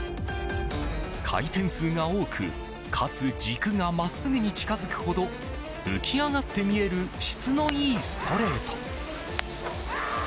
回転数が多くかつ軸が真っすぐに近づくほど浮き上がって見える質のいいストレート。